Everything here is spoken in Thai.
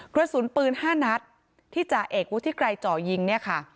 กระสุนปืน๕นัดที่จ่าเอกวุฒิไกรจ่อยิงเนี่ยค่ะ